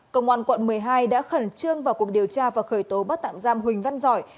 công an quận một mươi hai đã khẩn trương vào cuộc điều tra và khởi tố bắt tạm giam huỳnh văn giỏi